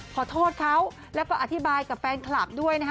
ขอโทษเขาแล้วก็อธิบายกับแฟนคลับด้วยนะฮะ